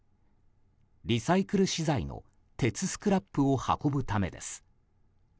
リサイクル資材の鉄スクラップを運ぶためです。